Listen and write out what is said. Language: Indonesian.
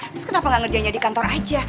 terus kenapa enggak ngerjainnya di kantor aja ya